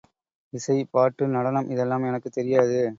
இசை, பாட்டு, நடனம் இதெல்லாம் எனக்குத் தெரியாது.